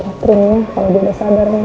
cuman catherine ya kalau dia udah sabar nanti